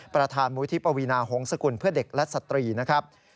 ประธานมูลที่ปวีนาหงษกุลเพื่อเด็กและสตรีนะครับ